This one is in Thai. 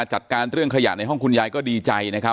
จัดการเรื่องขยะในห้องคุณยายก็ดีใจนะครับ